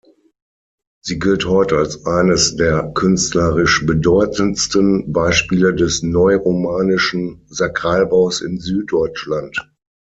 Sie gilt heute als eines der künstlerisch bedeutendsten Beispiele des neuromanischen Sakralbaus in Süddeutschland.